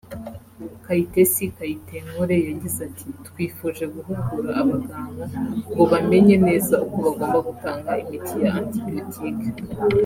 Kayitesi Kayitenkore yagize ati″Twifuje guhugura abaganga ngo bamenye neza uko bagomba gutanga imiti ya antibiotic